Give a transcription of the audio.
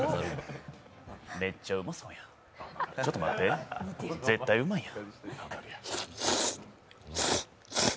めっちゃうまそうやんちょっと待って、絶対うまいやん。